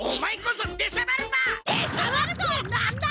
「でしゃばる」とは何だ！？